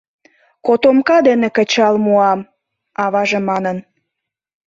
Котомка дене кычал муам, — аваже манын.